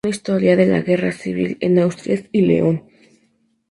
Una historia de la Guerra Civil en Asturias y León".